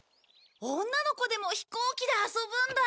女の子でも飛行機で遊ぶんだ。